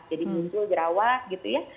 jadi muncul jerawat gitu ya